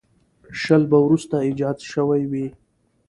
شل به وروسته ایجاد شوي وي.